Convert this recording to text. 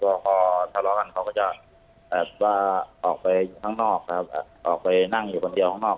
พอทะเลาะกันเขาก็จะว่าออกไปข้างนอกครับออกไปนั่งอยู่คนเดียวข้างนอก